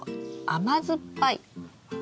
甘酸っぱい。